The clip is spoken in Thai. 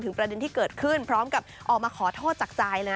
ประเด็นที่เกิดขึ้นพร้อมกับออกมาขอโทษจากใจเลย